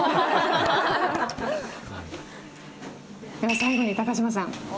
最後に、高嶋さん